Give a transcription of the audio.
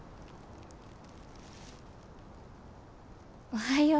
おはよう。